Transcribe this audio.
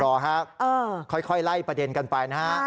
รอฮะค่อยไล่ประเด็นกันไปนะฮะ